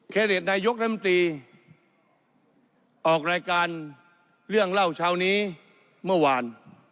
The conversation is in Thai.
เดตนายกรัฐมนตรีออกรายการเรื่องเล่าเช้านี้เมื่อวาน